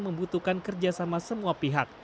membutuhkan kerjasama semua pihak